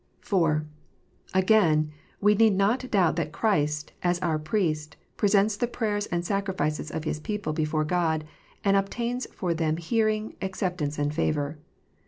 THE PEIEST. 249 (4) Again : we need not doubt that Christ, as our Priest, presents the prayers and services of His people before God, and obtains for them hearing, acceptance, and favour.